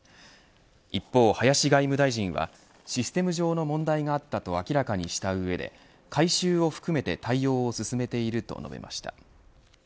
一方、林外務大臣はシステム上の問題があったと明らかにした上で改修を含めて対応を進めていると述べました。